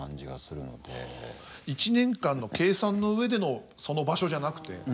１年間の計算の上でのその場所じゃなくて？